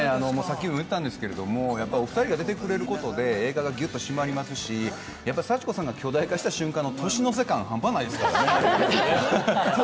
やっぱりお二人が出てくれることで映画が締まりますし幸子さんが巨大化した瞬間の年の瀬感は半端ないですからね。